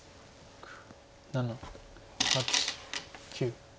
７８９。